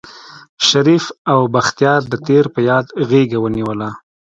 شريف او بختيار د تېر په ياد غېږه ونيوله.